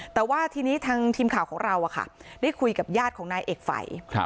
แต่ว่าทีนี้ทางทีมข่าวของเราได้คุยกับญาติของนายเอกฝัย